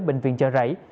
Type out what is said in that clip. bệnh viện chợ rẫy